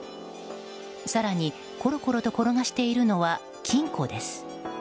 更に、コロコロと転がしているのは金庫です。